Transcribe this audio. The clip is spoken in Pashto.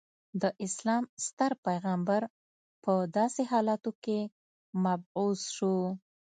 د اسلام ستر پیغمبر په داسې حالاتو کې مبعوث شو.